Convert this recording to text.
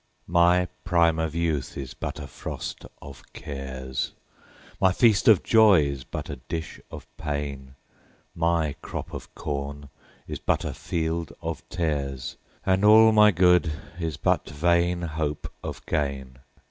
1My prime of youth is but a frost of cares,2My feast of joy is but a dish of pain,3My crop of corn is but a field of tares,4And all my good is but vain hope of gain.